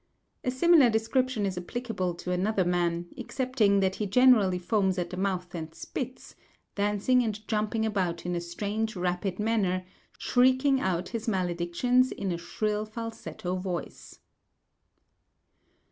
A similar description is applicable to another man, excepting that he generally foams at the mouth and spits, dancing and jumping about in a strange rapid manner, shrieking out his maledictions in a shrill falsetto voice.